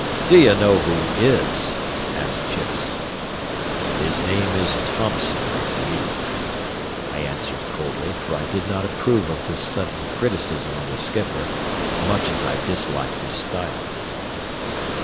"D'ye know who is?" asked Chips. "His name is Thompson, I believe," I answered coldly, for I did not approve of this sudden criticism of the skipper, much as I disliked his style.